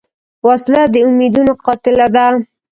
وسله د امیدونو قاتله ده